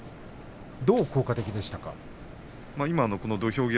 どう効果的でしたか？